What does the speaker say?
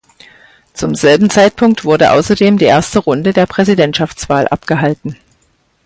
Zum selben Zeitpunkt wurde außerdem die erste Runde der Präsidentschaftswahl abgehalten.